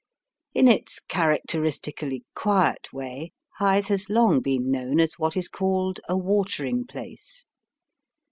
In its characteristically quiet way Hythe has long been known as what is called a watering place.